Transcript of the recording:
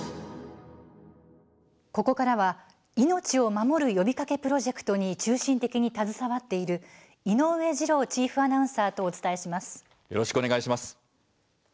ここからは「命を守る呼びかけ」プロジェクトに中心的に携わっている井上二郎チーフアナウンサーとよろしくお願いします。